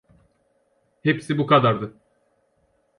Hepsi bu kadardı.